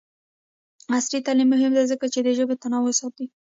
عصري تعلیم مهم دی ځکه چې د ژبو تنوع ساتي.